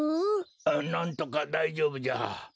なんとかだいじょうぶじゃ。